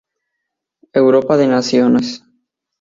Europa de Naciones, Cto.